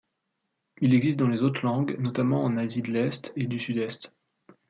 Il existe dans les autres langues, notamment en Asie de l'Est et du Sud-Est.